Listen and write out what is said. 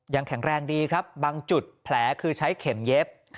แข็งแรงดีครับบางจุดแผลคือใช้เข็มเย็บ